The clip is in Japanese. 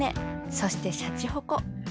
そしてしゃちほこ。